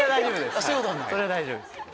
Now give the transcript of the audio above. それは大丈夫です。